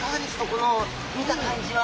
この見た感じは。